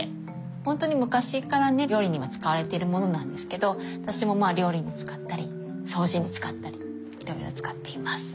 ほんとに昔からね料理には使われてるものなんですけど私も料理に使ったり掃除に使ったりいろいろ使っています。